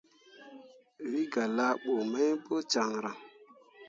Wǝ gah laaɓu mai pu caŋryaŋ.